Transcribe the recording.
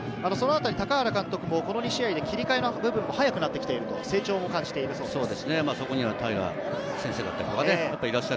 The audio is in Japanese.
高原監督もこの２試合で切り替えの部分も早くなっている、成長を感じているそうです。